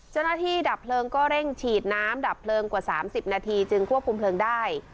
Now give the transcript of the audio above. ดับเพลิงก็เร่งฉีดน้ำดับเพลิงกว่า๓๐นาทีจึงควบคุมเพลิงได้